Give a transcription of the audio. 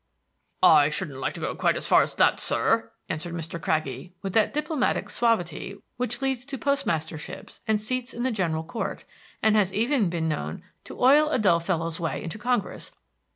"I shouldn't like to go quite so far as that, sir," answered Mr. Craggie, with that diplomatic suavity which leads to postmasterships and seats in the General Court, and has even been known to oil a dull fellow's way into Congress.